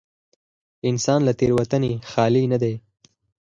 انسان له تېروتنې خالي نه دی.